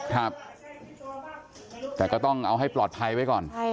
ครับแต่ก็ต้องเอาให้ปลอดภัยไว้ก่อน